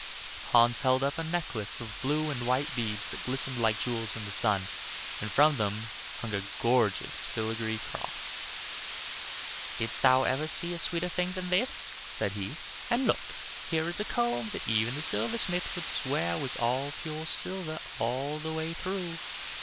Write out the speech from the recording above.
Hans held up a necklace of blue and white beads that glistened like jewels in the sun, and from them hung a gorgeous filigree cross. "Didst thou ever see a sweeter thing than this?" said he; "and look, here is a comb that even the silversmith would swear was pure silver all the way through."